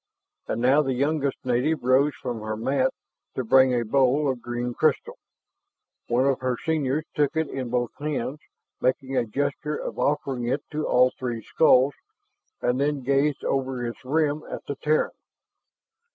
And now the youngest native arose from her mat to bring a bowl of green crystal. One of her seniors took it in both hands, making a gesture of offering it to all three skulls, and then gazed over its rim at the Terran.